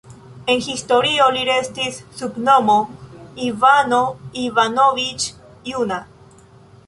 En historio li restis sub nomo "Ivano Ivanoviĉ Juna".